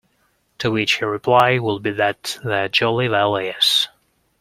To which your reply will be that there jolly well is.